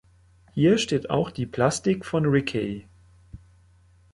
Hier steht auch die Plastik von Rickey.